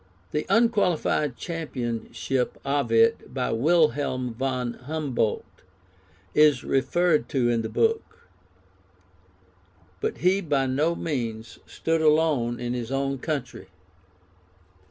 The unqualified championship of it by Wilhelm von Humboldt is referred to in the book; but he by no means stood alone in his own country.